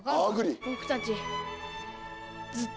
僕たち。